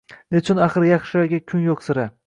Nechun axir yaxshilarga kun yoʼq sira